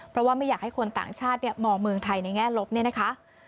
เพราะว่าไม่อยากให้คนต่างชาติมองเมืองไทยในแง่ลบเนี่ยนะคะ